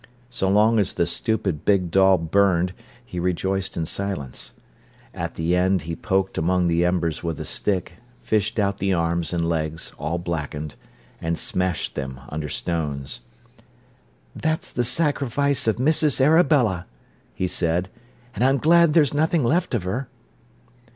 So long as the stupid big doll burned he rejoiced in silence. At the end he poked among the embers with a stick, fished out the arms and legs, all blackened, and smashed them under stones. "That's the sacrifice of Missis Arabella," he said. "An' I'm glad there's nothing left of her."